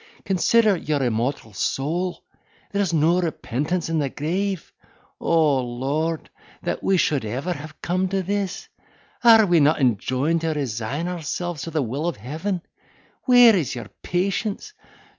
Consider your immortal soul—there's no repentance in the grave! O Lord! that we ever should have come to this! Are we not enjoined to resign ourselves to the will of Heaven?—where is your patience?